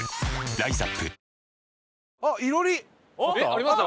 ありました？